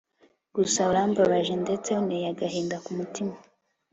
gusa urambabaje ndetse unteye agahinda ku mutima